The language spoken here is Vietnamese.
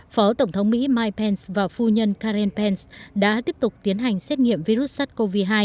phó tổng thống mỹ mike pence và phu nhân karen pence đã tiếp tục tiến hành xét nghiệm virus sars cov hai